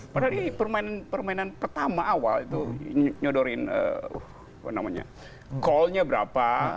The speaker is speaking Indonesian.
padahal ini permainan pertama awal itu nyodoriin call nya berapa